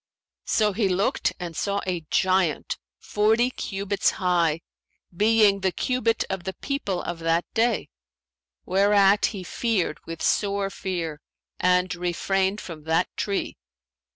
So he looked and saw a giant forty cubits high, being the cubit of the people of that day; whereat he feared with sore fear and refrained from that tree.